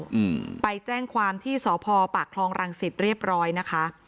อืมไปแจ้งความที่สพปากคลองรังสิตเรียบร้อยนะคะ